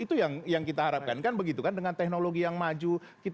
itu yang kita harapkan kan begitu kan dengan teknologi yang maju